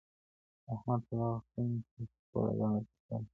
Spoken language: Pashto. احمد په دغه خوني کي خپله دنده تر سره کړه.